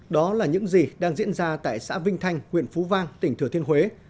đó là những gì đang diễn ra tại xã vinh thanh huyện phú vang tỉnh thừa thiên huế